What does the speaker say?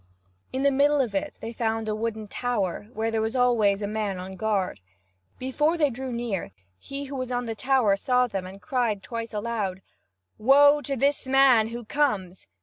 In the middle of it they found a wooden tower, where there was always a man on guard. Before they drew near, he who was on the tower saw them and cried twice aloud: "Woe to this man who comes!"